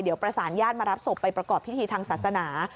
เดี๋ยวประสานญาติมารับศพไปประกอบพิธีทางศาสนา